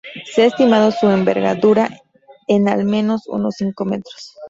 Se ha estimado su envergadura en al menos unos cinco metros.